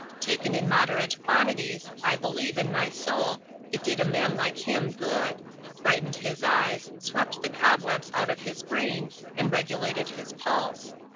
Taken in moderate quantities, I believe, in my soul, it did a man like him good ; brightened his eyes, swept the cobwebs out of his brain, and regulated his pulse.